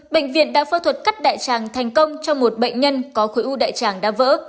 bệnh viện đã phẫu thuật cắt đại tràng thành công cho một bệnh nhân có khối u đại tràng đã vỡ